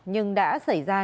nhưng đã xảy ra